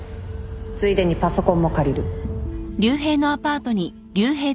ついでにパソコンも借りる。